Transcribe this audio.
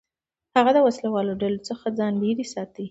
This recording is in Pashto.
هغه د وسلهوالو ډلو څخه ځان لېرې ساتي.